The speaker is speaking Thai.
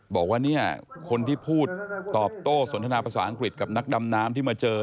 บอกว่าเนี่ยคนที่พูดตอบโต้สนทนาภาษาอังกฤษกับนักดำน้ำที่มาเจอ